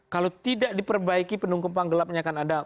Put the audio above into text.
kalau tidak diperbaiki penumpang gelapnya akan ada